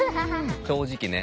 正直ね。